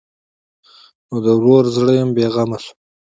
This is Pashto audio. نو د ورور زړه یې هم بېغمه شو.